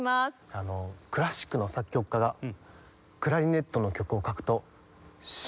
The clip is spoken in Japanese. あのクラシックの作曲家がクラリネットの曲を書くと死ぬという。